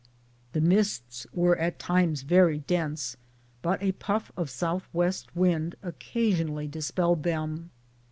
The mists were at times very dense, but a puff of S. W. wind occasionally dispelled them.